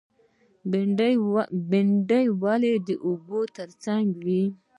بید ونه ولې د اوبو تر څنګ وي؟